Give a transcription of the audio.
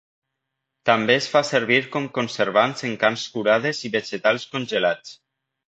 També es fa servir com conservants en carns curades i vegetals congelats.